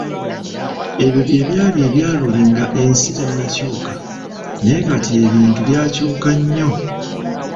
"Ebyo bye byali ebya luli nga ensi tennakyuka, naye kati ebintu byakyuka nnyo."